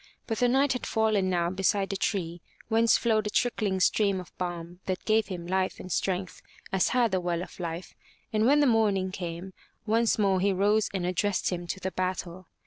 But the Knight had fallen now beside a tree whence flowed a trickling stream of balm that gave him life and strength as had the well of life and when the morning came, once more he rose and addressed him to the battle.